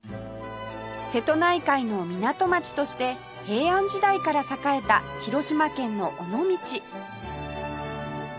瀬戸内海の港町として平安時代から栄えた広島県の尾道